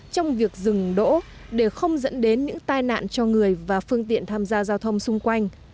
trong việc dừng đỗ để không dẫn đến những tai nạn cho người và phương tiện tham gia giao thông xung quanh